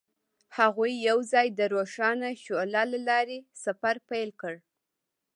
هغوی یوځای د روښانه شعله له لارې سفر پیل کړ.